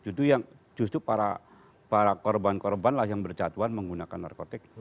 itu yang justru para korban korban lah yang berjatuhan menggunakan narkotik